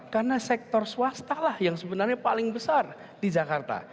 karena sektor swasta lah yang sebenarnya paling besar di jakarta